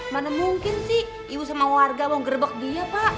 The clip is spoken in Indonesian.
mana mungkin sih ibu sama warga mau gerbek dia pak